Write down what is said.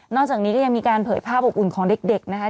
จากนี้ก็ยังมีการเผยภาพอบอุ่นของเด็กนะคะ